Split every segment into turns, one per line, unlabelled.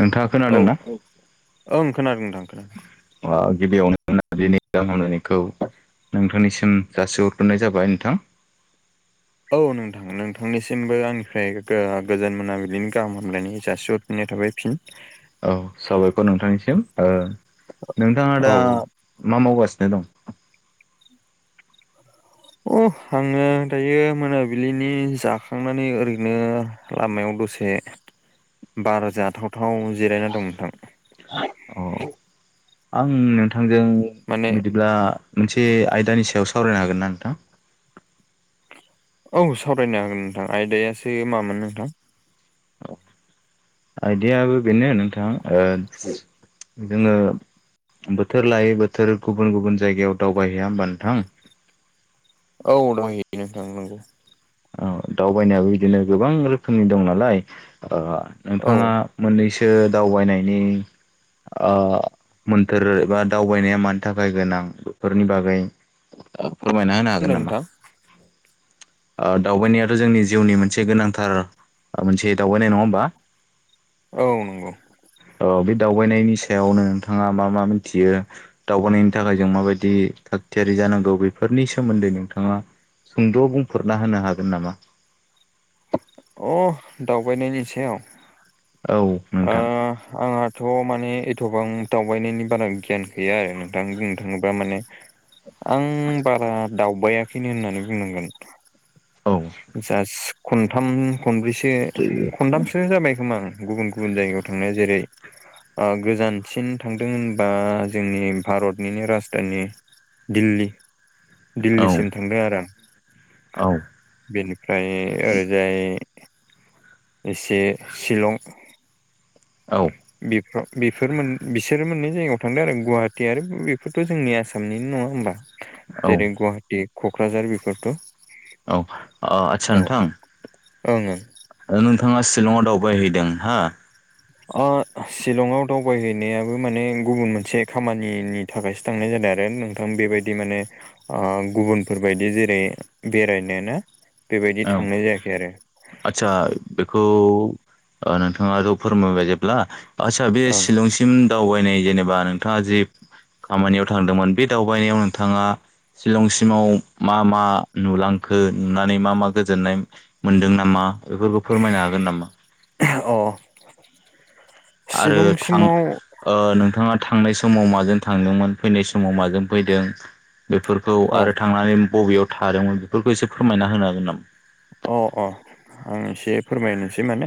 नोंथाङा
औ
खोनादोंना
ओं खोनादों नोंथां खोनादों
मा गिबियावनो मोनाबिलिनि गोजोन हामलायनायखौ नोंथांनिसिम जासिहरफिननाय जाबाय नोंथां
औ नोंथां नोंथांनिसिमबो आंनिफ्राय गोजोन मोनाबिलिनि गाहाम हामब्लायनायखौ जासि हर फिनाय थाबाय फिन
औ साबायखर नोंथांनिसिम ओ नोंथाङा
औ
दा मा मावगासिनो दं
अ आङो दायो मोनाबिलिनि जाखांनानै ओरैनो लामायाव दसे बार जाथावथाव जिरायना दं नोंथां
अ आं नोंथांजों
माने
बिदिब्ला मोनसे आयदानि सायाव सावरायनो हागोन ना नोंथां
औ सावरायनो हागोन नोंथां आयदायासो मामोन नोंथां
आयदायाबो बेनो नोंथां ओ जोङो बोथोर लायै बोथोर गुबुन गुबुन जायगायाव दावबायहैया होमबा नोंथां
औ दंहैयो नोंथां नंगौ
औ दावबायनायाबो बिदिनो गोबां रोखोमनि दं नालाय ओ
औ
नोंथाङा मोननैसो दावबायनायनि ओ मोन्थोर एबा दावबायनाया मानि थाखाय गोनां बेफोरनि बागै फोरमायना होनो हागोन
होनदों
नामा
नोंथां
ओ दावबायनायाथ' जोंनि जिउनि मोनसे गोनांथार मोनसे दावबायनाय नङा होमबा
औ नंगौ
औ बे दावबायनायनि सायावनो नोंथाङा मा मा मिथियो दावगानायनि थाखाय जों माबायदि थाग थियारि जानांगौ बेफोरनि सोमोन्दै नोंथाङा सुंद' बुंफोरना होनो हागोन नामा
अ दावबायनायनि सायाव
औ
ओ
नोंथां
आंहाथ' माने एथ'बां दावबायनायनि बारा गियान गैया आरो नोंथां बुंनो थाङोब्ला माने आं बारा दावबायाखैनो होननानै बुंनांगोन
औ
जास्ट खनथाम खनब्रैसो खनथामसो [unintelligible] जाबाय खोमा आं गुबुन गुबुन जायगायाव थांनाया जेरै गोजानसिन थांदों होनबा जोंनि भारतनिनो राजधानि दिल्ली
औ
दिल्लीसिम थांबाय आरो आं
औ
बेनिफ्राय ओरैजाय एसे शिलं
औ
बेफोराव बिसोरो मोननै जायगायाव थांदों आरो गुवाहाटि आरो बेफोरथ' जोंनि आसामनिनो नङा होमबा
औ
जेरै गुवाहाटि क'क्राझार बेफोरथ'
औ आदसा नोंथां
ओ ओ
नोंथाङा शिलंआव दावबायहैदों हा
ओ शिलंआव दावबायहैनायाबो माने गुबुन मोनसे खामानिनि थाखायसो थांनाय जादों आरो नोंथां बेबायदि दि माने गुबुनफोरबायदि जेरै बेरायनो ना बेबायदि
औ
थांनाय जायाखै आरो
आदसा बेखौ नोंथाङाथ' फोरमायबाय जेब्ला आदसा बे
ओं
शिलंसिम दावबायनाय जेनेबा नोंथाङा जे खामानियाव थांदोंमोन बे दावबायनायाव नोंथाङा शिलंसिमाव मा मा नुलांखो नुनानै मा मा गोजोन्नाय मोन्दों नामा बेफोरखौ फोरमायनो हागोन नामा
अ
आरो थां
शिलंसिमाव
नोंथाङा थांनाय समाव माजों थांदोंमोन फैनाय समाव माजों फैदों बेफोर खौ
औ
आरो थांनानै बबेयाव थादोंमोन बेफोरखौ एसे फोरमायना होनो हागोन नामा
अ अ आं एसे फोरमायनोसै माने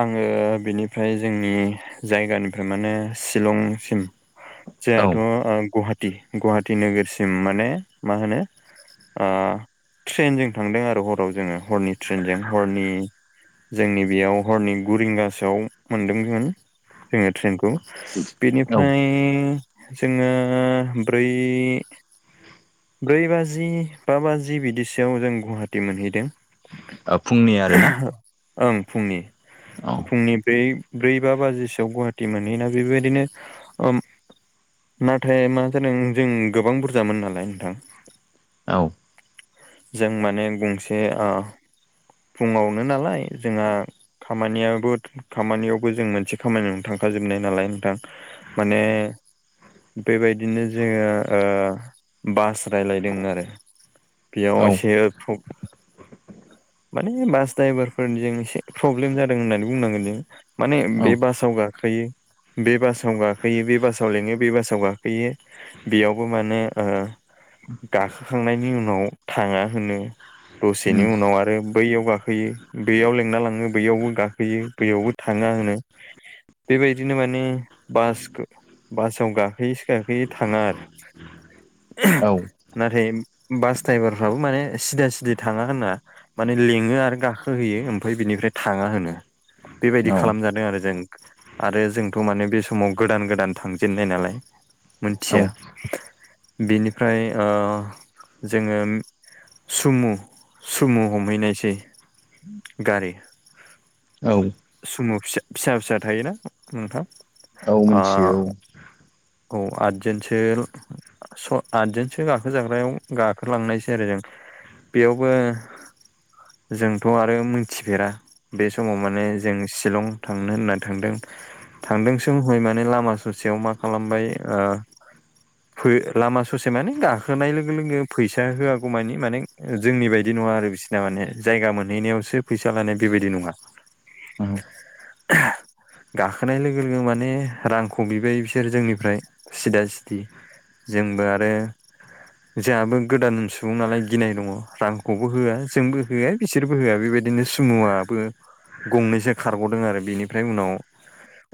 आङो बिनिफ्राय जोंनि जायगानिफ्राय माने शिलंसिम
औ
जायहाथ' गुवाहा गुवाहाटि नोगोरसिम माने मा होनो ट्रेनजों थांदों आरो हराव जोङो हरनि ट्रेनजों हरनि जोंनि बेयाव हरनि गु रिंगासोआव मोनदोंमोन जोङो ट्रेनखौ
औ
बेनिफ्राय जोङो ब्रै ब्रै बाजि बा बाजि बिदिसोआव जों गुवाहाटि मोनहैदों
ओ फुंनि आरोना
ओं फुंनि
औ
फुंनि बै ब्रै बा बाजिसोआव गुवाहाटि मोनहैना बेबायदिनो नाथाय मा जादों जों गोबां बुरजामोन नालाय नोंथां
औ
जों माने गंसे फुङावनो नालाय जोंहा खामानियाबो खामानियावबो जों मोनसे खामानियाव थांखाजोबनाय नालाय नोंथां माने बेबायदिनो जोङो बास रायलायदों आरो बेयाव
औ
एसे माने बास द्रायभारफोरनिजों एसे प्रब्लेम जादों होननानै बुंनांगोन जों माने बे
औ
बासाव गाखोयो बे बासाव गाखोयो बे बासाव लिङो बे बासाव गाखोयो बेयावबो माने गाखोखांनायनि उनाव थाङा होनो दसेनि
उम
उनाव आरो आरो बैयाव गाखोयो बैयाव लेंंना लाङो बैयावबो गाखोयो बैयावबो थाङा होनो बेबायदिनो माने बासखौ बासाव गाखोयोसो गाखोयो बे थाङा आरो
औ
नाथाय बास द्रायभारफ्राबो माने सिदा सिदि थाङा होना माने लिङो आरो गाखोहोयो ओमफ्राय बिनिफ्राय थाङा होनो बेबायदि
औ
खालामजादों आरो जों आरो जोंथ' माने बे समाव गोदान गोदान थांजेननाय नालाय
औ
मोनथिया बिनिफ्राय ओ जोङो सुमु सुमु हमहैनायसै गारि
औ
सुमु फिसा फिसा फिसा थायोना नोंथां
औ
अ
मिथियो
औ आतजेेनटसो आदजोनसो गाखोजाग्रायाव गाखोलांनायसै आरो जों बेयावबो जोंथ' आरो मोनथिफेरा बे समाव माने जों शिलं थांनो होननानै थांदों थांदोंसो हय माने लामा ससेयाव मा खालामबाय आ
[inaudible]
लामा ससे माने गाखोनाय लोगो लोगो फैसा होआगौ मानि माने जोंनि बायदि नङा आरो बि ना माने जायगा मोनहैनायावसो फैसा लानाया बेबायदि नङा
औ
गाखोनाय लोगो लोगो माने रांखौ बिबाय बिसोर जोंनिफ्राय सिदा सिदि जोंबो आरो जोंहाबो गोदान सुबुं नालाय गिनाय दङ रांखौबो होआ जोंबो होआ बिसोरबो होआ बेबायदिनो सुमुआबो गंनैसो खारग'दों आरो बेनिफ्राय उनाव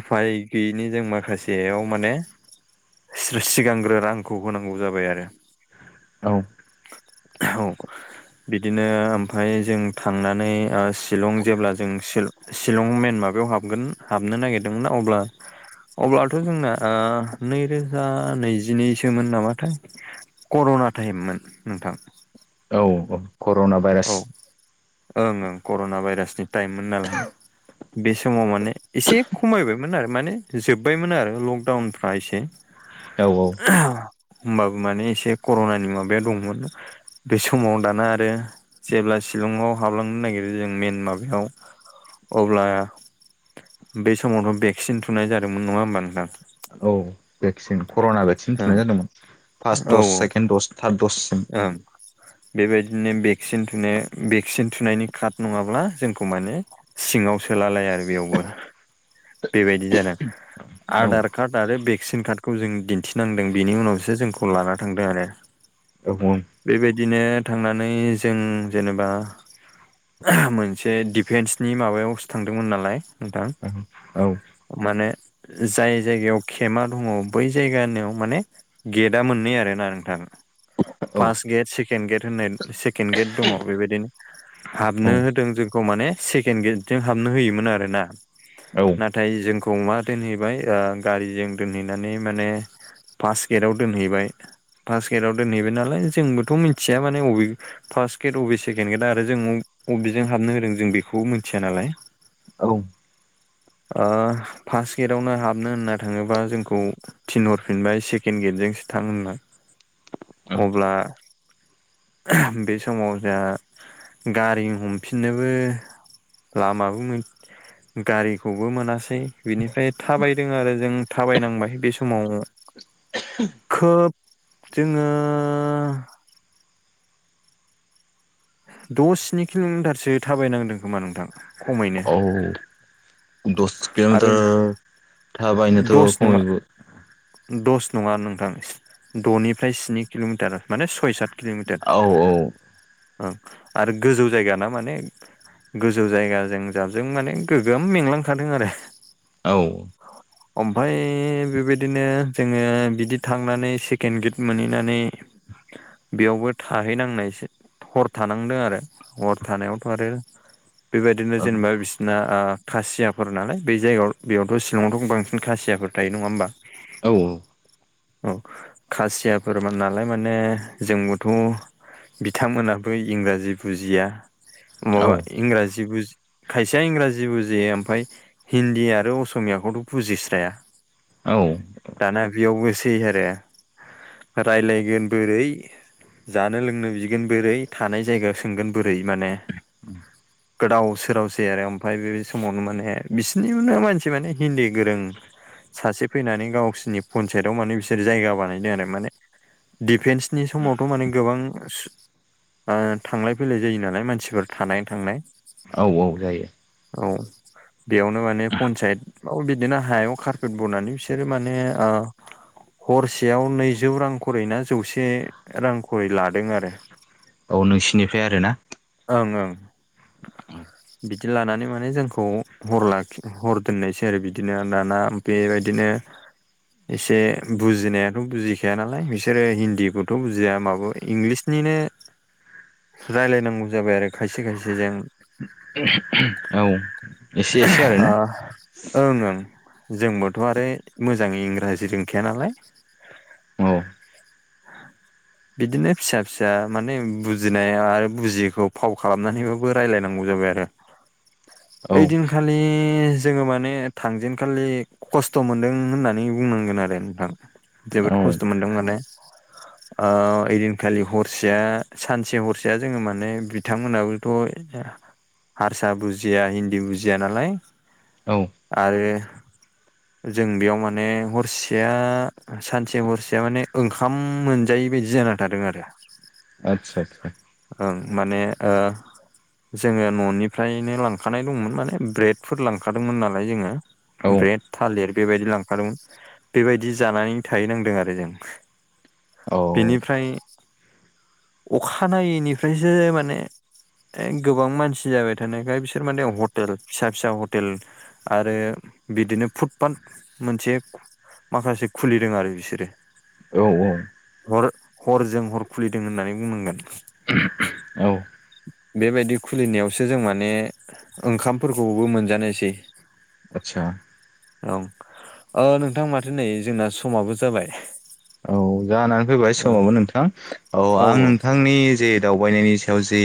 उफाय गैयिनि जों माखासेयाव माने सि सिगांग्रो रांखौ होनांगौ जाबाय आरो
औ
औ बिदिनो ओमफाय जों थांनानै शिलं जेब्ला जों शिलं मइेन माबायाव हाबगोन हाबनो नागिरदोंमोना अब्ला अब्लाथ' जोंना नैरोजा नैजिनैसोमोन नामाथाय कर'ना टाइममोन नोंथां
औ औ कर'ना भाइरास
औ ओं ओं कर'ना भाइरासनि टाइममोन नालाय बे समाव माने एसे खमायबायमोन आरो माने जोब्बायमोन आरो लकडाउनफ्रा एसे
औ औ
[inaudible] होमबाबो माने एसे कर'नानि माबायाव दंमोन बे समाव दाना आरो जेब्ला शिलङाव हाबलांनो नागिरो जों मेन माबायाव अब्ला बे समावथ' भेक्सिन थुनाय जादोंमोन नङा होमबा नोंथां
औ भेक्सिन कर'ना भेक्सिन
ओं
थुनाय जादोंमोन फार्स्ट
औ
दस सेकेन्ड दस थार्ड दससिम
ओं बेबायदिनो भेक्सिन थुनाय भेक्सिन थुनायनि कार्ड नङाब्ला जोंखौ माने सिङाव सोलालाय आरो बेयावबो बेबायदि जादों
औ
आधार कार्ड आरो भेक्सिन कार्डखौ जों दिन्थिनांदों बेनि उनावसो जोंखौ लाना थांदों आरो
औ बुं
बेबायदिनो थांनानै जों जेनेबा मोनसे डिफेन्सनि माबायावसो थांदोंमोन नालाय नोंथां
औ
माने जाय जायगायाव खेमा दङ बै जायगा होननायाव माने गेटआ मोननै आरोना नोंथां फार्स्ट गेट सेकेन्ड गेट होननाय सेकेन्ड गेट दङ बेबायदिनो हाबनो होदों जोंखौ माने सेकेन्ड गेटजों हाबनो होयोमोन आरोना नाथाय जोंखौ मा दोनहैबाय ओ गारिजों दोनहैनानै माने फार्स्ट गेटआव दोनहैबाय गेटाव दोनहैबाय नालाय जोंबोथ' मिथिया माने अबे फार्स्ट गेद बबे सेकेन्ड गेद आरो जों बबेजों हाबनो होदों जों बेखौ मिथिया नालाय।
औ
ओ फार्स्ट गेटआवनो हाबनो होनना थाङोबा जोंखौ थिनहरफिनबाय सेकेन्ड गेटजोंसो थां होननानै। अब्ला बे समाव जोंहा गारि हमफिननोबो लामाबो मोन गारिखौबो मोनासै बिनिफ्राय थाबायदों आरो जों थाबायनांबाय बे समाव
[inaudible]
खोब जोङो द' स्नि किल'मिटारसो थाबायनांदों खोमा नोंथां खमैनो
औ दस
आरो
किल'मिटार थाबायनोथ'
दस नङा
खमैबो
दस नङा नोंथां द'निफ्राय स्नि किल'मिटार माने सय सात
औ
किल'मिटार ओं आरो गोजौ जायगा ना माने गोजौ जायगाजों जाबजों माने गोग्गोम मेंलांखादों आरो।
औ औ
ओमफ्राय बेबायदिनो जोङो बिदि थांनानै सेकेन्ड गेद मोनहैनानै बेयावबो थाहैनांनायसो हर थानांदों आरो हर थानायावथ' आरो बेबायदिनो
औ
जेनेबा बिसिना ओ खासिया फोर नालाय बै जायगायाव बेयावथ' शिलंआवथ' बांसिन खासियाफोर थायो नङा होमबा?
औ
औ खासियाफोर नालाय माने जोंबोथ' बिथांमोनाबो इंराजि बुजिया माबा इंराजि बुजि खायसेया इंराजि बुजियो ओमफ्राय हिन्दी आरो असमियाखौथ' बुजिस्राया
औ
दाना बेयावबो सै आरो राय्लायगोन बोरै जानो लोंनो बिगोन बोरै थानाय जायगायाव सोंगोन बोरै माने
[inaudible]
गोदाव सोरावसै आरो ओमफ्राय बे समावनो माने बिसोरनिनो मानसि माने हिन्दी गोरों सासे फैनानै गावसिनि पन्सायताव माने बिसोर जायगा बानायदों आरो माने डफेन्सनि समावथ' माने गोबां ओ थांलाय फैलाय जायो नालाय मानसिफोर थानाय थांनाय
औ जायो।
औ बेयावनो माने पन्सायत बिदिनो हायाव कारपेट बनानै बिसोरो माने ओ हरसेयाव नैजौ रां खरै ना जौसे रां खरै लादों आरो।
औ नोंसिनिफ्राय आरो ना।
ओं ओं
औ
बिदि लानानै माने जोंखौ हर लाखि हर दोननायसै आरो बिदिनो दाना बेबायदिनो एसे बुजिनायाथ' बुजिखाया नालाय बिसोरो हिन्दीखौथ' बुजिया माबो इंलिसनिनो
[inaudible]
रायलायनांगौ जाबाय आरो खायसे खायसे जों
औ एसे एसे आरोना
ओ ओं ओं जोंबोथ' आरो मोजाङै इंराजि रोंखाया नालाय।
औ
[inaudible]
[inaudible]
बिदिनो फिसा फिसा माने बुजिनाय आरो बुजियैखौ फाव खालामनानैबाबो रायजलायनांगौ जाबाय आरो।
औ
ओइदिनखालि जोङो माने थांजेनखालि खसथ' मोनदों होननानै बुंनांगोन आरो नोंथां जोबोद
औ
खसथ' मोनदों माने ओ ओइदिनखालि हरसेया सानसे हरसेया जोङो माने बिथांमोनहाबोथ' हारसा बुजिया हिन्दी बुजिया नालाय
औ
आरो
[inaudible]
जों बेयाव माने हरसेया सानसे हरसेया माने ओंखाम मोनजायि बायदि जानो जादों आरो
आदसा आदसा
ओं माने ओ जोङो न'निफ्रायनो लांखानाय दंमोन माने ब्रेडफोर लांखादोंमोन नालाय जोङो
औ
ब्रेड थालिर बेबायदि लांखादोंमोन बेबायदि जानानै थाहै नांदों आरो जों
औ
बेनिफ्राय अखानायैनिफ्रायसो माने ए गोबां मानसि जाबाय थानायखाय बिसोर माने हटेल फिसा फिसा हटेल आरो बिदिनो फुटपाट मोनसे माखासे खुलिदों आरो बिसोरो
औ औ।
हर हरजों हर खुलिदों होननानै बुंनांगोन।
[inaudible] औ
बेबायदि खुलिनायावसो जों माने ओंखामफोरखौबो मोनजानोसै
आतसा
औं नोंथां माथो नै जोंना समाबो जाबाय।
औ जानानै फैबाय
औ
समावबो नोंथां औ आं नों थांनि जे दावबायनायनि सायाव जे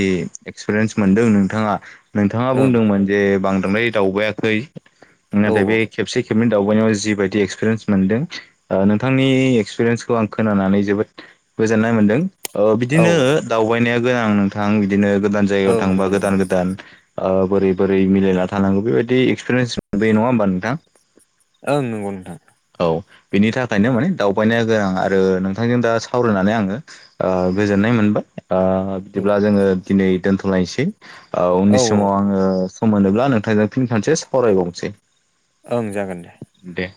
एक्सपिरियेन्स मोनदों नोंथाङा नोंथाङा
ओं
बुंदोंमोन। जे बांद्राय दावबायाखै
औ
नाथाय बे खेबसे खेबनै दावबायनायाव जिबायदि एक्सपिरियेन्स मोनदों नोंथांनि एक्सपिरियेन्स खौ आं खोनानानै जोबोद गोजोननाय मोनदों
औ
बिदिनो दावबायनाया गोनां नोंथां बिदिनो गोदान जायगायाव
ओं
थांबा
नंगौ
गोदान
नोंथां
गोदान बोरै बोरै मिलायना थानांगौ बेबायदि एक्सपिरियेन्स मोनबोयो नङा होमबा नोंथां?
ओं नंगौ नोंथां।
औ बिनि थाखायनो
औ
माने दावबायनाय गोनां आरो नोंथांजों दा सावरायनानै आङो गोजोननाय मोनबाय आ बिदिब्ला जोङो दिनै दोनथ'लायसै
औ औ
उननि
औ
समाव आङो सम मोनोब्ला नोंथांजों फिन सानसे सावरायबावनोसै।
ओं जागोन दे।
दे।